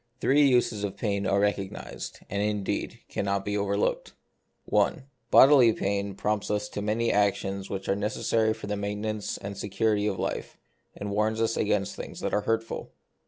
Three uses of pain are recognised, and indeed cannot be over looked :— I. Bodily pain prompts us to many actions which are necessary for the maintenance or security of life, and warns us against things that are hurtful.